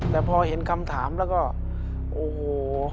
แต่พอเห็นคำถามแล้วก็โอ้โห